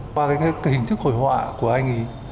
qua cái hình thức hồi họa của anh ấy